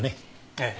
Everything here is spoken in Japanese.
ええ。